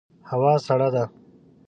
هوا سړه ده